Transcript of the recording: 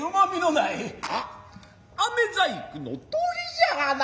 あっ飴細工の鳥じゃがな。